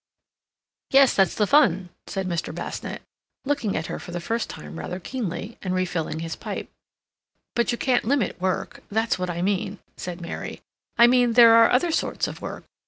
"Yes, that's the fun," said Mr. Basnett, looking at her for the first time rather keenly, and refilling his pipe. "But you can't limit work—that's what I mean," said Mary. "I mean there are other sorts of work.